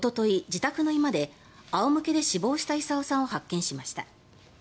自宅の居間で仰向けで死亡した功さんを発見しました。